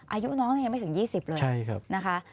อายุน้องนี้ยังไม่ถึง๒๐เลยใช่ครับ